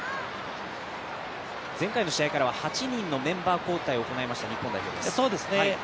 前回の試合からは８人のメンバー交代を行いました日本です。